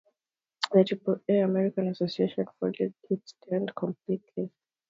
The Triple-A American Association folded its tent completely.